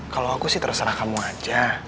kalau aku sih terserah kamu aja